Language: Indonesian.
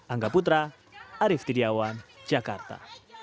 angga putra arief tidiawan jakarta